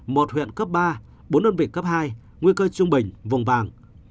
một huyện cấp ba bốn đơn vị cấp hai nguy cơ trung bình vùng vàng